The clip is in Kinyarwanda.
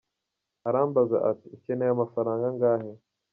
Arambaza ati : ukeneye amafaranga angahe ?